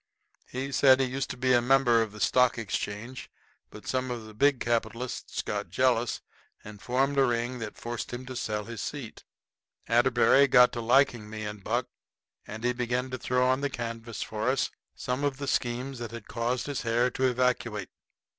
He said he used to be a member of the Stock Exchange, but some of the big capitalists got jealous and formed a ring that forced him to sell his seat. Atterbury got to liking me and Buck and he begun to throw on the canvas for us some of the schemes that had caused his hair to evacuate.